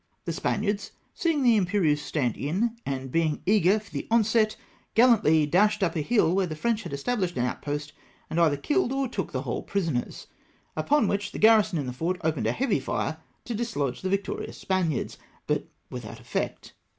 The Spaniards, seeing the Imperieuse stand m, and being eager for the onset, gallantly dashed up a hill where the French had estabhshed an outpost, and either killed or took the whole prisoners ; upon which the garrison in the fort opened a heavy fire to dislodge the victorious Spaniards, but without effect.